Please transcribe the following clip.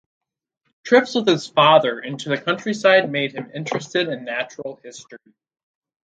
Trips with his father into the countryside made him interested in natural history.